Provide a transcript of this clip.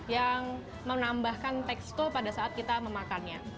yang menambahkan tekstur pada saat kita memakannya